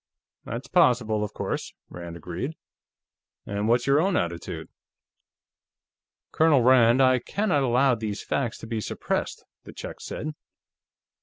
"That's possible, of course," Rand agreed. "And what's your own attitude?" "Colonel Rand, I cannot allow these facts to be suppressed," the Czech said.